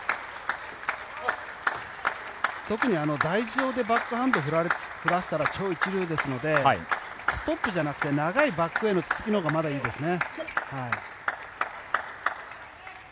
特に台上でバックハンドを振らせたら超一流ですのでストップじゃなくて長いバックへのツッツキのほうがまだいいですね。